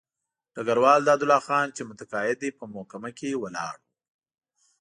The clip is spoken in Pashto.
ډګروال دادالله خان چې متقاعد دی په محکمه کې ولاړ وو.